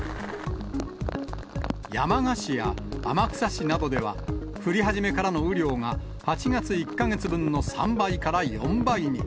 山鹿市や天草市などでは、降り始めからの雨量が８月１か月分の３倍から４倍に。